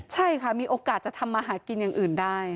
ใช่ค่ะมีโอกาสจะทำมาหากินอย่างอื่นได้